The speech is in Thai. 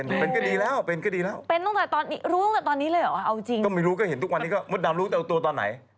รู้ตอนนี้เลยเหรอเอาจริงก็ไม่รู้ตอนนี้จะมดดำรู้เลือกตัวตอนไหน